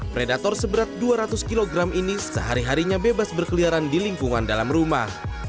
predator seberat dua ratus kg ini sehari harinya bebas berkeliaran di lingkungan dalam rumah